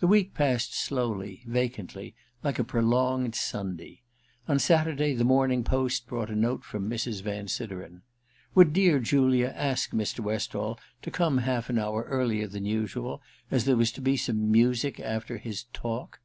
The week passed slowly, vacantly, like a prolonged Sunday. On Saturday the morning post brought a note from Mrs. Van Sideren. Would dear Julia ask Mr. Westall to come half an hour earlier than usual, as there was to be some music after his * talk